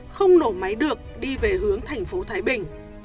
không nổ máy được đi về hướng thành phố thái bình